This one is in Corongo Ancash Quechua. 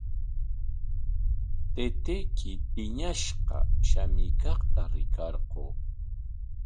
Taytayki piñashqa shamuykaqta rikarquu.